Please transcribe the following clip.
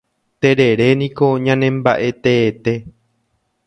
Terere niko ñanembaʼe teete.